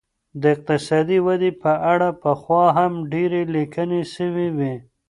د اقتصادي ودي په اړه پخوا هم ډیري لیکنې سوې وې.